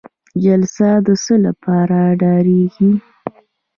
جلسه د څه لپاره دایریږي؟